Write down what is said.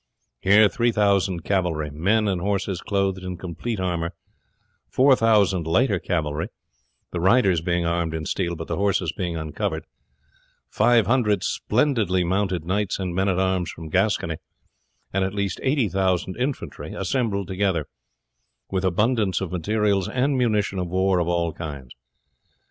Here 3000 cavalry, men and horses clothed in complete armour; 4000 lighter cavalry, the riders being armed in steel but the horses being uncovered; 500 splendidly mounted knights and men at arms from Gascony; and at least 80,000 infantry assembled together, with abundance of materials and munition of war of all kinds.